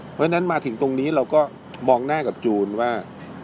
เพราะฉะนั้นมาถึงตรงนี้เราก็มองหน้ากับจูนว่า